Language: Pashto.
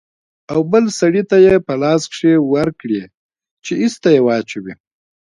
او بل سړي ته يې په لاس کښې ورکړې چې ايسته يې واچوي.